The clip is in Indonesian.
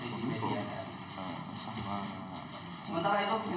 seperti di komimpo